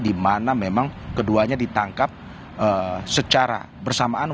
di mana memang keduanya ditangkap secara bersamaan